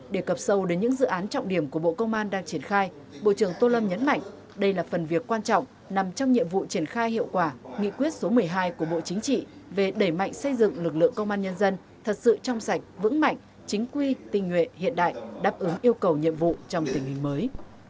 để cập sâu đến những dự án trọng điểm của bộ công an đang triển khai bộ trưởng tô lâm nhấn mạnh đây là phần việc quan trọng nằm trong nhiệm vụ triển khai hiệu quả nghị quyết số một mươi hai của bộ chính trị về đẩy mạnh xây dựng lực lượng công an nhân dân thật sự trong sạch vững mạnh chính quy tình nguyện hiện đại đáp ứng yêu cầu nhiệm vụ trong tình hình mới